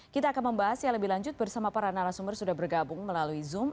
kita akan membahas yang lebih lanjut bersama para narasumber sudah bergabung melalui zoom